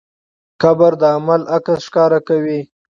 قبر د عمل عکس ښکاره کوي.